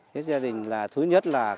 cái gia đình là thứ nhất là ra năm mới